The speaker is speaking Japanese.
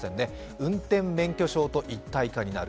運転免許証と一体化になる。